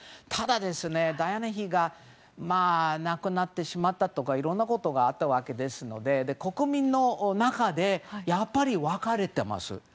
ただ、ダイアナ妃が亡くなってしまったとかいろんなことがあったわけで国民の中でやっぱり分かれています。